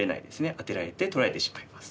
アテられて取られてしまいます。